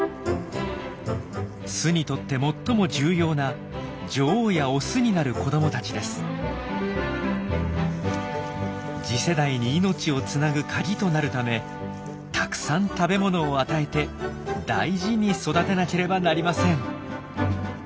巣にとって最も重要な次世代に命をつなぐカギとなるためたくさん食べ物を与えて大事に育てなければなりません。